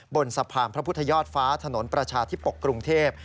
บนสะพานพระพุทธยอดฟ้าถนนประชาธิปกกรุงเทพ